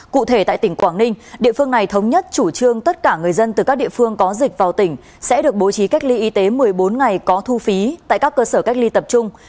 cụ thể tại tỉnh quảng ninh địa phương này thống nhất chủ trương tất cả người dân từ các địa phương có dịch vào tỉnh sẽ được bố trí cách ly y tế một mươi bốn ngày có thu phí tại các cơ sở cách ly tập trung